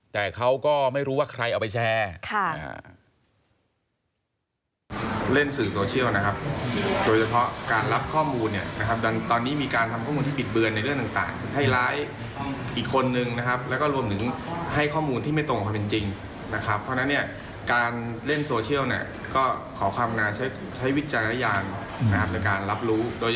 แต่เขาก็ไม่รู้ว่าใครเอาไปแชร์